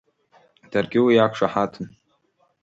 Даргьы уи иақәшаҳаҭын.